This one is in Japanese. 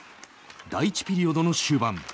第１ピリオドの終盤。